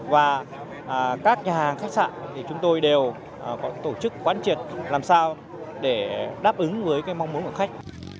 và các nhà hàng khách sạn thì chúng tôi đều tổ chức quán triệt làm sao để đáp ứng với mong muốn của khách